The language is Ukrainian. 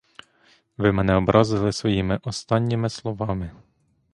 Ви мене образили своїми останніми словами.